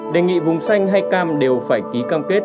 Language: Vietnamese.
đề nghị vùng xanh hay cam đều phải ký cam kết